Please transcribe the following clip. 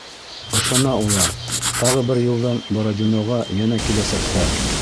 Ышана улар: тағы бер йылдан Бородиноға йәнә киләсәктәр.